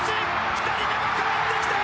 ２人目もかえってきた！